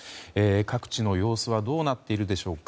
各地の様子はどうなっているでしょうか。